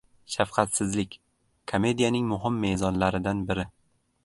Shafqatsizlik – komediyaning muhim mezonlaridan biri.